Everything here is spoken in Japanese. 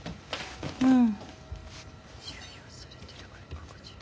うん。